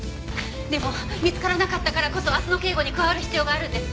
でも見つからなかったからこそ明日の警護に加わる必要があるんです。